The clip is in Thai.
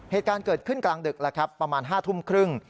เหตุการณ์เกิดขึ้นกลางดึกแล้วครับประมาณ๕ทุ่มครึ่ง